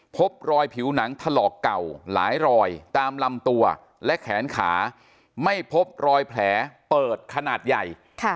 พบรอยผิวหนังถลอกเก่าหลายรอยตามลำตัวและแขนขาไม่พบรอยแผลเปิดขนาดใหญ่